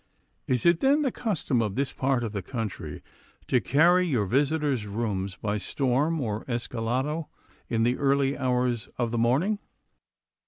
'Is it, then, the custom of this part of the country to carry your visitor's rooms by storm or escalado in the early hours of the morning?